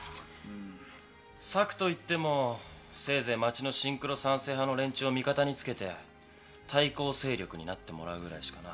策と言ってもせいぜい町のシンクロ賛成派の連中を味方に付けて対抗勢力になってもらうぐらいしかな。